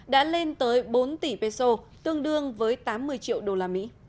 đã lên tới bốn tỷ peso tương đương với tám mươi triệu usd